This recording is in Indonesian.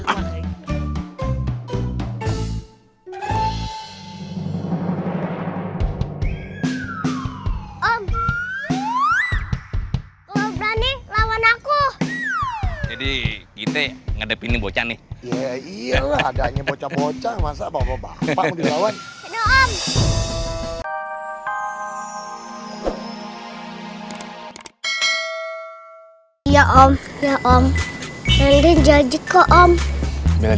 om lo berani lawan aku jadi kita ngadepin bocah nih ya iyalah adanya bocah bocah masa bawa bawa